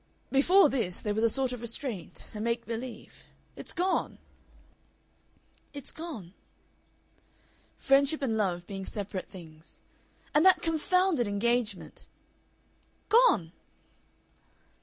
"Before this there was a sort of restraint a make believe. It's gone." "It's gone." "Friendship and love being separate things. And that confounded engagement!" "Gone!"